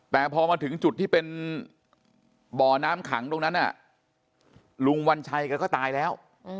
แต่พอมาถึงจุดที่เป็นบ่อน้ำขังตรงนั้นน่ะลุงวัญชัยแกก็ตายแล้ว